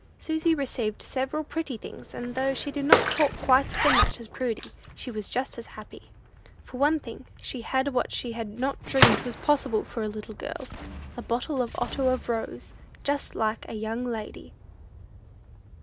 Susy received several pretty things; and though she did not talk quite so much as Prudy, she was just as happy. For one thing, she had what she had not dreamed was possible for a little girl a bottle of otto of rose; "just like a young lady."